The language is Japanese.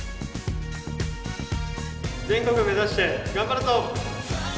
全国目指して頑張るぞ！